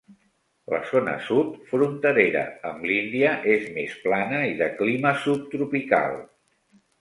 La zona sud, fronterera amb l'Índia és més plana, i de clima subtropical.